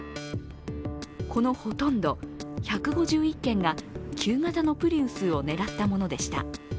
このほとんど、１５１件が旧型のプリウスを狙ったものでした。